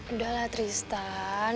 udah lah tristan